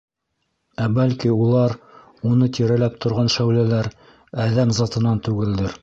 Ә бәлки улар, уны тирәләп торған шәүләләр, әҙәм затынан түгелдер?